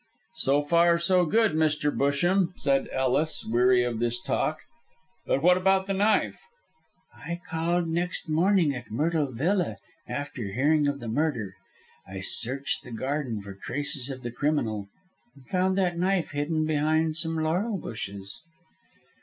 "So far, so good, Mr. Busham," said Ellis, weary of this talk; "but what about the knife?" "I called next morning at Myrtle Villa, after hearing of the murder. I searched the garden for traces of the criminal, and found that knife hidden behind some laurel bushes."